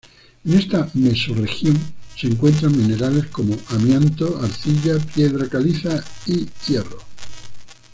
En esta mesorregión se encuentran minerales como amianto, arcilla, piedra caliza y hierro.